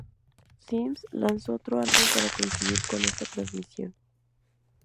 Sims lanzó otro álbum para coincidir con esta transmisión.